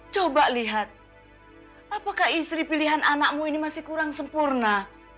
coba lihat apakah istri pilihan anakmu ini masih kurang sempurna